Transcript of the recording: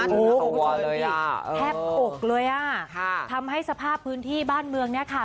แคบอกเลยอ่ะทำให้สภาพพื้นที่บ้านเมืองเนี่ยค่ะ